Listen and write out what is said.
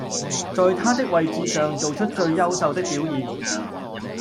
在他的位置上做出最優秀的表現